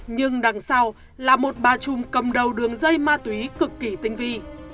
nhưng đằng sau là một bà trùm cầm đầu đường dây ma túy cực kỳ tinh vi